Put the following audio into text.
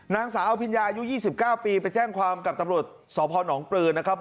นางสาวอภิญญาอายุ๒๙ปีไปแจ้งความกับตำรวจสพนปลือนะครับ